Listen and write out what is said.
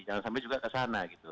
jangan sampai juga kesana gitu